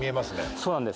そうなんです